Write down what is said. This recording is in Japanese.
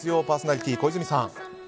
パーソナリティー小泉さん